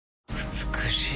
美しい。